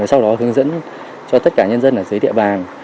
sau đó hướng dẫn cho tất cả nhân dân ở dưới địa bàn